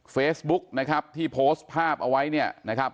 เฟซบุ๊กนะครับที่โพสต์ภาพเอาไว้เนี่ยนะครับ